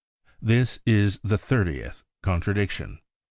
This is the thirtieth contradiction.